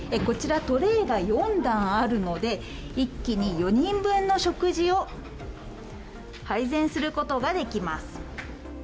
こちらトレイが４段あるので一気に４人分の食事を配膳することができます。